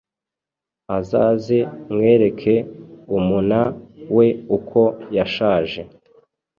Azaze mwereke umuna we uko yashaje